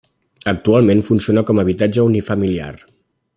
Actualment funciona com habitatge unifamiliar.